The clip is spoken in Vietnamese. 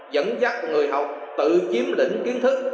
dẫn dắt người học tự chiếm lĩnh kiến thức